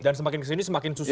dan semakin kesini semakin susah